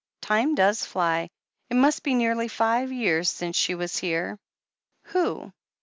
Time does flyl It must be nearly five years since she was here." "Who?"